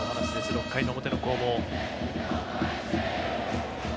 ６回の表の攻防。